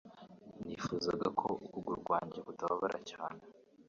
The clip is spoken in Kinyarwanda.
Nifuzaga ko ukuguru kwanjye kutababara cyane